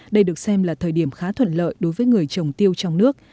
đây được xem là thời điểm khá thuận lợi đối với người trồng tiêu trong nước